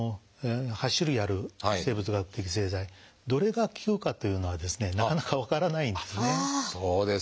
８種類ある生物学的製剤どれが効くかというのはなかなか分からないんですね。